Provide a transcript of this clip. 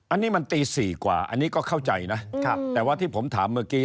อันนี้มันตี๔กว่าอันนี้ก็เข้าใจนะแต่ว่าที่ผมถามเมื่อกี้